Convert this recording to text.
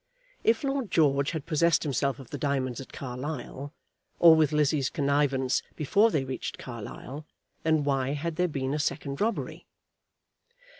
If Lord George had possessed himself of the diamonds at Carlisle, or with Lizzie's connivance before they reached Carlisle, then, why had there been a second robbery?